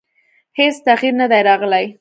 هېڅ تغییر نه دی راغلی.